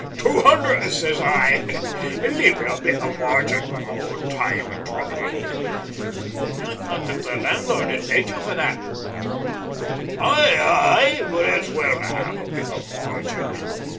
'Two hundred,' says I, leaving a bit o' a margin for my own time and trouble." "I thought that the landlord had paid you for that," I remarked. "Aye, aye, but it's well to have a bit margin.